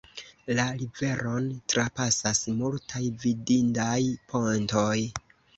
La riveron trapasas multaj vidindaj pontoj.